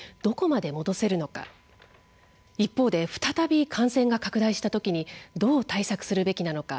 一方で再び感染が拡大したときにどう対策するべきなのか。